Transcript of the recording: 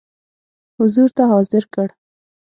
حضور ته حاضر کړ.